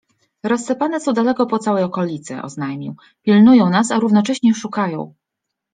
- Rozsypane są daleko po całej okolicy - oznajmił; pilnują nas, a równocześnie szukają